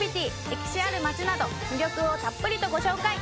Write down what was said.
歴史ある町など魅力をたっぷりとご紹介